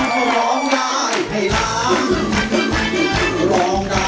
กลับมา